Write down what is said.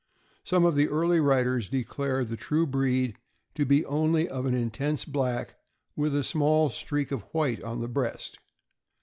Some of the early writers declare the true breed to be only of an intense black, with a small streak of white on the breast.